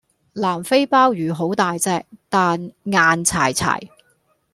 南非鮑魚好大隻但硬柴柴